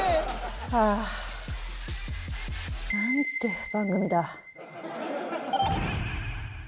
ああ、なんて番組だ。